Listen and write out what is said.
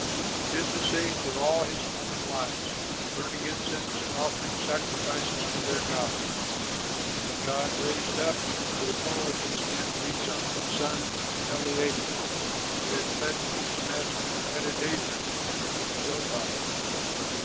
He did the same for all his foreign wives, burning incense and offering sacrifices to their gods. Then God raised up as a foe against him Rezon, the son of Eliada, who had fled from his master, Hadadezer, king of Zobah.